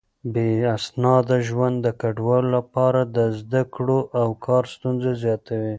بې اسناده ژوند د کډوالو لپاره د زده کړو او کار ستونزې زياتوي.